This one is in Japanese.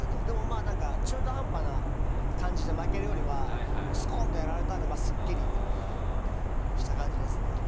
でもまぁ何か中途半端な感じで負けるよりはスコンとやられたんですっきりした感じですね。